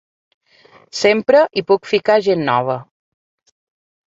Sempre hi puc ficar gent nova.